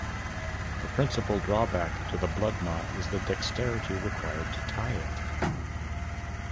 The principal drawback to the blood knot is the dexterity required to tie it.